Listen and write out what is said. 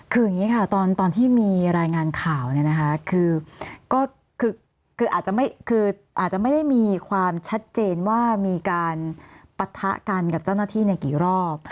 คืออย่างนี้ค่ะตอนที่มีรายงานข่าวเนี่ยนะคะคือก็คืออาจจะคืออาจจะไม่ได้มีความชัดเจนว่ามีการปะทะกันกับเจ้าหน้าที่ในกี่รอบ